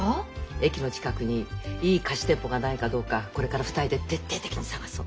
駅の近くにいい貸し店舗がないかどうかこれから２人で徹底的に探そう。